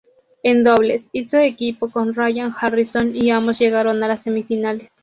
En dobles, hizo equipo con Ryan Harrison y ambos llegaron a las semifinales.